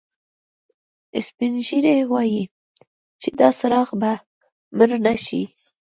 سپین ږیری وایي چې دا څراغ به مړ نه شي